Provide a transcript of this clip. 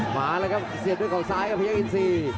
หมาเลยครับเสียดด้วยข้าวซ้ายครับพยายามไยซี